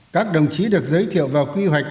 các đồng chí được giới thiệu vào quy hoạch